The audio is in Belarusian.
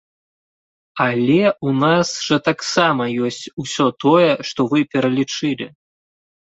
Але у нас жа таксама ёсць усё тое, што вы пералічылі!